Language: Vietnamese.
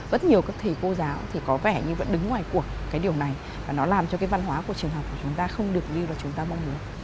rất nhiều các thầy cô giáo thì có vẻ như vẫn đứng ngoài cuộc cái điều này và nó làm cho cái văn hóa của trường học của chúng ta không được đi vào chúng ta mong muốn